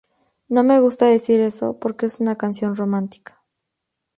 No me gusta decir eso, porque es una canción romántica.